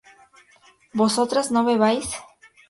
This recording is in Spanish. ¿vosotras no bebíais?